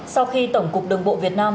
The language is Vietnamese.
sau khi tổng cục đường bộ việt nam